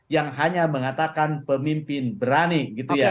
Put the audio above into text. yang hanya mengatakan pemimpin berani gitu ya